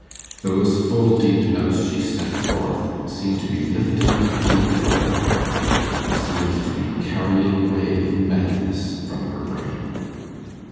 Those full deep notes she sent forth seemed to be lifting the pain from her heart seemed to be carrying away the madness from her brain.